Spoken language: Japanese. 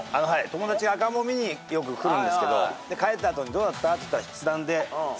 友達赤ん坊見によく来るんですけど帰った後にどうだった？って言ったら。